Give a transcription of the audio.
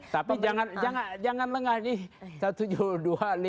tapi jangan lengah nih